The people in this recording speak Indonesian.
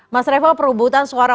mas revo perebutan suara